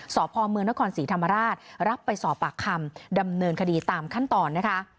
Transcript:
สพเมืองนครศรีธรรมราชรับไปสอบปากคำดำเนินคดีตามขั้นตอนนะคะ